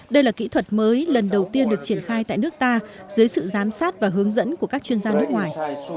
đây là kỹ thuật mới lần đầu tiên được triển khai tại nước ta dưới sự giám sát và hướng dẫn của các chuyên gia nước ngoài